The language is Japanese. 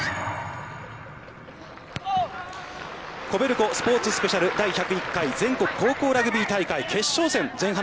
コベルコスポーツ第１０１回全国高校ラグビー大会決勝戦です。